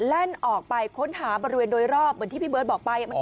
แล่นออกไปค้นหาบริเวณโดยรอบเหมือนที่พี่เบิร์ตบอกไป